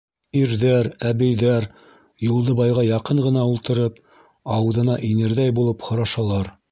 Ирҙәр, әбейҙәр, Юлдыбайға яҡын ғына ултырып, ауыҙына инерҙәй булып һорашалар.